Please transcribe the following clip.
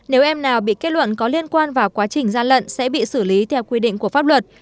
nếu em nào bị kết luận có liên quan vào quá trình gian lận sẽ bị xử lý theo quy định của pháp luật